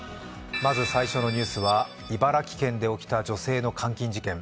まず最初のニュースは茨城県で起きた女性の監禁事件。